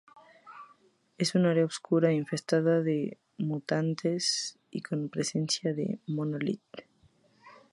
Es un área oscura, infestada de mutantes y con la presencia de Monolith.